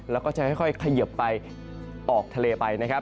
แล้วก็จะค่อยเขยิบไปออกทะเลไปนะครับ